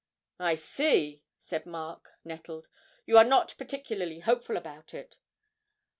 'I see,' said Mark, nettled; 'you are not particularly hopeful about it?'